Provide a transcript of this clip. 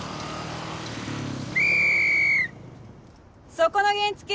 そこの原付！